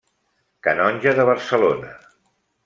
Canonge de Barcelona.